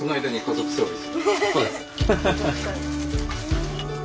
そうです。